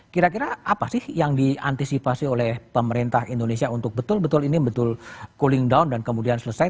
kira kira apa sih yang diantisipasi oleh pemerintah indonesia untuk betul betul ini betul cooling down dan kemudian selesai